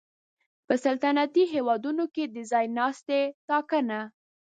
په سلطنتي هېوادونو کې د ځای ناستي ټاکنه